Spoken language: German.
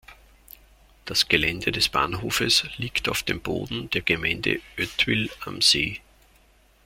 Das Gelände des Bahnhofes liegt auf dem Boden der Gemeinde Oetwil am See.